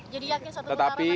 jadi yakin satu kemarah menang